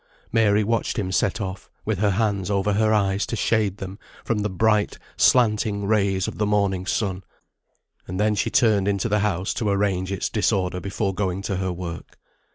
Mary watched him set off, with her hands over her eyes to shade them from the bright slanting rays of the morning sun, and then she turned into the house to arrange its disorder before going to her work.